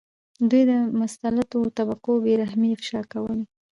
دوی د مسلطو طبقو بې رحمۍ افشا کولې.